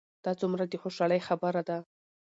دا څومره د خوشحالۍ خبر ده؟